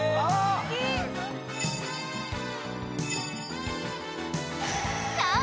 好きさあ